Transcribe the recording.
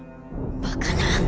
バカな！